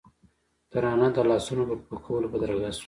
ترانه د لاسونو په پړکولو بدرګه شوه.